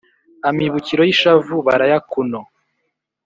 amibukiro y’ishavu barayakuno